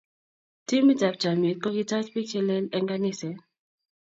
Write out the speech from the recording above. Timit ab chamiet kokitach biik chelel eng kaniset